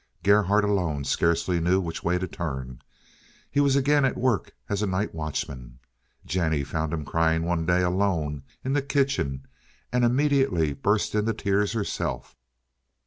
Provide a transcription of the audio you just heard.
Gerhardt alone scarcely knew which way to turn. He was again at work as a night watchman. Jennie found him crying one day alone in the kitchen, and immediately burst into tears herself.